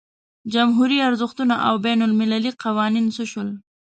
جمهوري ارزښتونه او بین المللي قوانین څه شول.